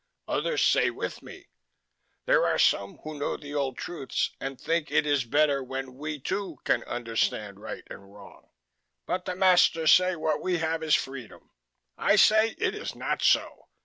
Others say with me: there are some who know the old truths and think it is better when we, too, can understand right and wrong. But the masters say what we have is freedom. I say it is not so.